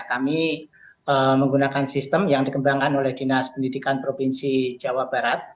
kami menggunakan sistem yang dikembangkan oleh dinas pendidikan provinsi jawa barat